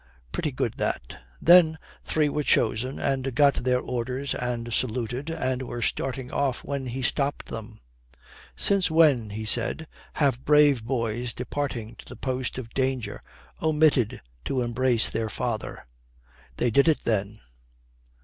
Pretty good that. Then three were chosen and got their orders and saluted, and were starting off when he stopped them. "Since when," he said, "have brave boys departing to the post of danger omitted to embrace their father?" They did it then.